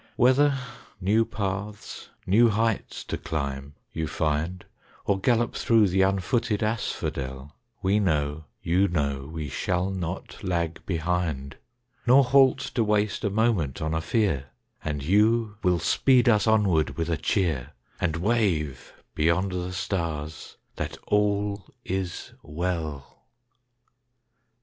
Whether new paths, new heights to climb you find, Or gallop through the unfooted asphodel, We know you know we shall not lag behind, Nor halt to waste a moment on a fear; And you will speed us onward with a cheer, And wave beyond the stars that all is well.